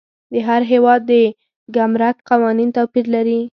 د هر هیواد د ګمرک قوانین توپیر لري.